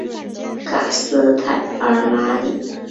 卡斯泰尔马里。